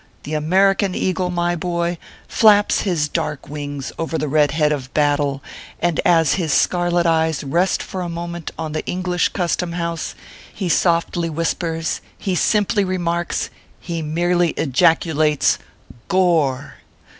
The American eagle, my boy, flaps his dark wings over the red head of battle, and as his scarlet eyes rest for a moment on the English ORPHEUS C. KERR PAPERS. 133 Custom House, he softly whispers he simply remarks he merely ejaculates GORE